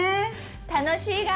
楽しいが。